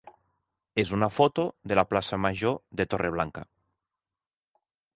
és una foto de la plaça major de Torreblanca.